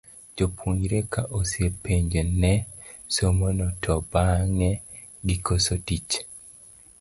Jopuonjre ka osepanjo ne somo no to bang'e gikoso tich.